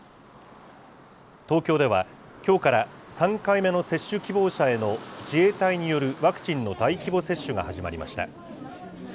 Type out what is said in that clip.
東京では、きょうから３回目の接種希望者への自衛隊によるワクチンの大規模接種が始まりました。